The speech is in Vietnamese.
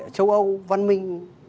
châu âu văn minh